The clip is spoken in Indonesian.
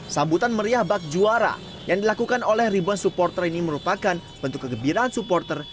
sambutan meriah bak juara yang dilakukan oleh ribuan supporter ini merupakan bentuk kegembiraan supporter